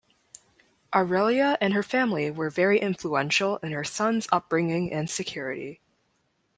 Aurelia and her family were very influential in her son's upbringing and security.